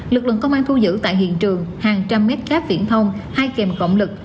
lực lượng công an thu giữ tại hiện trường hàng trăm mét cắp viễn thông hai kềm cộng lực